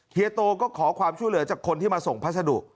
เฮียโตก็ขอความช่วยเหลือจากคนที่มาส่งพัสดุ